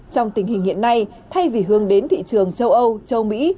trong tình hình hiện nay thay vì hướng đến thị trường châu âu châu mỹ